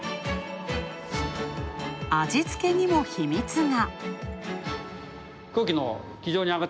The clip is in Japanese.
味付けにも秘密が。